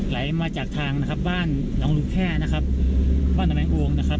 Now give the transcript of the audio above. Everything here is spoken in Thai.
ไหลมาจากทางนะครับบ้านน้องลุงแค่นะครับบ้านแหมงโองนะครับ